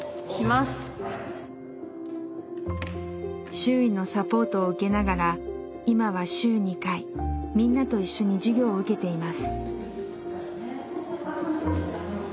周囲のサポートを受けながら今は週２回みんなと一緒に授業を受けています。